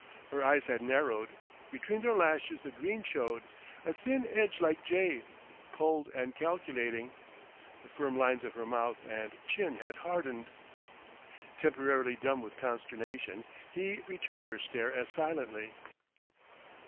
Her eyes had narrowed; between their lashes the green showed, a thin edge like jade, cold and calculating. The firm lines of her mouth and chin had hardened. Temporarily dumb with consternation, he returned her stare as silently.